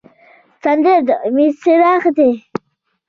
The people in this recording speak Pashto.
سندره د امید څراغ دی